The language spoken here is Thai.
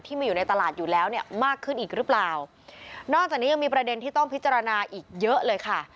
อยู่ในตลาดอยู่แล้วเนี่ยมากขึ้นอีกหรือเปล่านอกจากนี้ยังมีประเด็นที่ต้องพิจารณาอีกเยอะเลยค่ะ